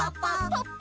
ポッポ！